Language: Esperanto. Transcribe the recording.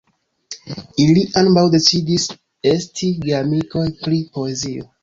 Ili ambaŭ decidis esti geamikoj pri poezio.